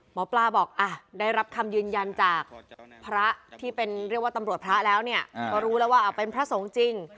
หมอปลาบอกได้รับคำยืนยันจากพระที่เป็นเรียกว่าตำรวจพระแล้วเนี่ยก็รู้แล้วว่าเป็นพระสงฆ์จริง